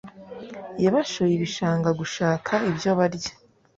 Yabashoye ibishanga gushaka ibyo kurya